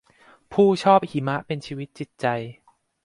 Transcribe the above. ผู้ชอบหิมะเป็นชีวิตจิตใจ